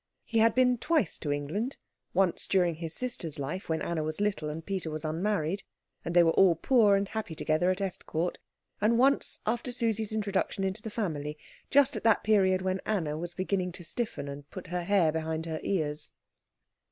He had been twice to England; once during his sister's life, when Anna was little, and Peter was unmarried, and they were all poor and happy together at Estcourt; and once after Susie's introduction into the family, just at that period when Anna was beginning to stiffen and put her hair behind her ears.